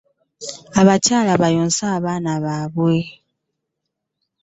Abakyala bayonse abaana baabwe.